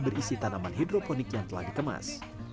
berisi tanaman hidroponik yang telah dikemas